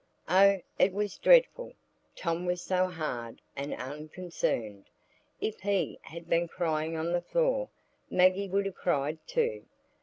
Oh, it was dreadful! Tom was so hard and unconcerned; if he had been crying on the floor, Maggie would have cried too.